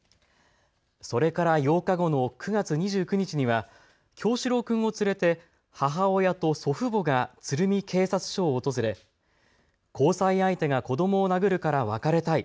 それから８日後の９月２９日には叶志郎君を連れて母親と祖父母が鶴見警察署を訪れ交際相手が子どもを殴るから別れたい。